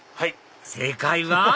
正解は？